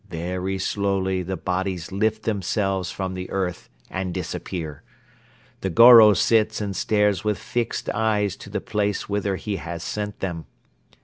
Very slowly the bodies lift themselves from the earth and disappear. The Goro sits and stares with fixed eyes to the place whither he has sent them.